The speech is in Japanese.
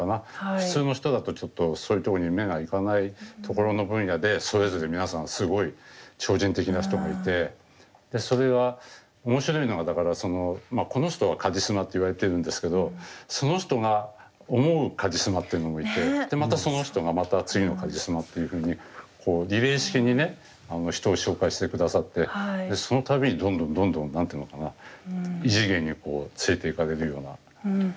普通の人だとちょっとそういうとこに目が行かないところの分野でそれぞれ皆さんすごい超人的な人がいてそれが面白いのがだからそのこの人はカリスマって言われてるんですけどその人が思うカリスマっていうのもいてまたその人がまた次のカリスマっていうふうにこうリレー式にね人を紹介してくださってでその度にどんどんどんどん何て言うのかな異次元に連れていかれるような。